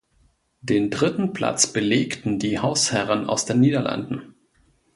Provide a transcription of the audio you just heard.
Den dritten Platz belegten die Hausherren aus den Niederlanden.